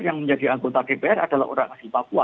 yang menjadi anggota dpr adalah orang asli papua